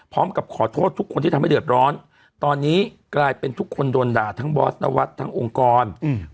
พร้อมกับขอโทษทุกคนที่ทำให้เดือดร้อนตอนนี้กลายเป็นทุกคนโดนด่าทั้งบอสนวัฒน์ทั้งองค์กรอืม